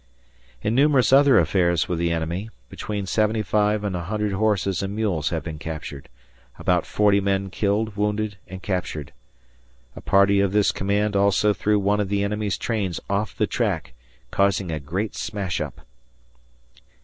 In numerous other affairs with the enemy, between 75 and 100 horses and mules have been captured, about 40 men killed, wounded, and captured. A party of this command also threw one of the enemy's trains off the track, causing a great smash up.